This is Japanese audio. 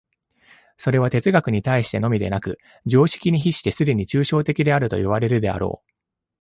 それは哲学に対してのみでなく、常識に比してすでに抽象的であるといわれるであろう。